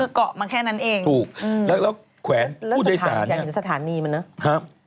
ก็คือเกาะมาแค่นั้นเองอืมแล้วขวานผู้โดยสารฮะอยากเห็นสถานีมันเนอะ